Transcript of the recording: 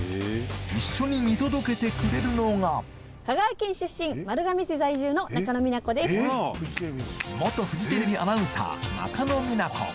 一緒に見届けてくれるのが元フジテレビアナウンサー中野美奈子